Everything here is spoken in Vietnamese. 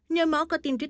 nhồi máu cơ tim tuyết năm